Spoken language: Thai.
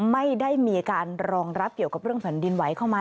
ไม่ได้มีการรองรับเกี่ยวกับเรื่องแผ่นดินไหวเข้ามา